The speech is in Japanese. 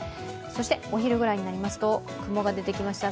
お昼ぐらいになりますと雲が出てきました。